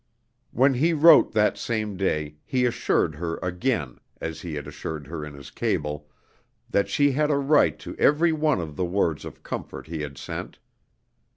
When he wrote that same day, he assured her again, as he had assured her in his cable, that she had a right to every one of the words of comfort he had sent.